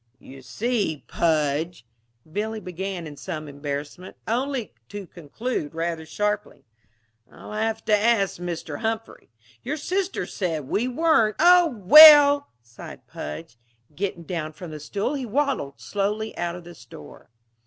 "You see, Pudge," Billy began in some embarrassment, only to conclude rather sharply, "I'll have to ask Mr. Humphrey. Your sister said we weren't " "Oh, well!" sighed Pudge. Getting down from the stool he waddled slowly out of the store.